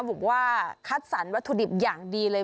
บอกว่าคัดสรรวัตถุดิบอย่างดีเลย